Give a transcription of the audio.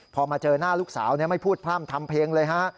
พอมาเจอหน้าลูกสาวไม่พูดพร่ำทำเพลงเลยฮะ